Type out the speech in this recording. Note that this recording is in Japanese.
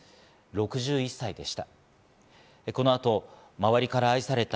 ６１歳でした。